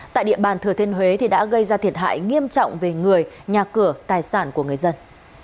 tại địa bàn thừa thiên huế đã gây ra thiệt hại nghiêm trọng về người nhà cửa tài sản của người dân